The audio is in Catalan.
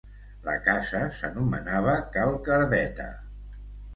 La casa s'anomenava Cal Cardeta.